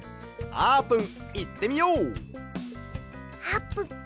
あーぷん！